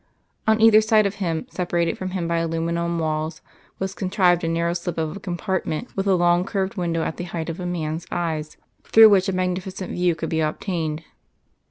On either side of him, separated from him by aluminium walls, was contrived a narrow slip of a compartment, with a long curved window at the height of a man's eyes, through which a magnificent view could be obtained.